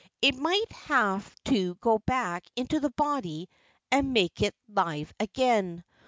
It might have to go back into the body and make it live again.